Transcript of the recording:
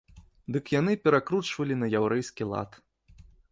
Дык яны перакручвалі на яўрэйскі лад.